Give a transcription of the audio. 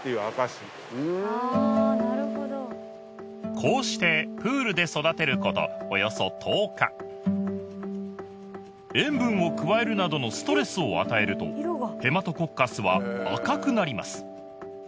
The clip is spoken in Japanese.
こうしてプールで育てることおよそ１０日塩分を加えるなどのストレスを与えるとヘマトコッカスは赤くなります